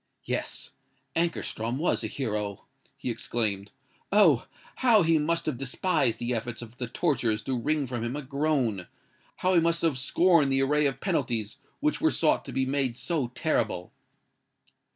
"Yes—Ankarstrom was a hero!" he exclaimed. "Oh! how he must have despised the efforts of the torturers to wring from him a groan:—how he must have scorned the array of penalties which were sought to be made so terrible!